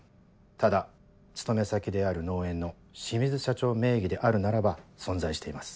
ただ勤め先である農園の清水社長名義であるならば存在しています。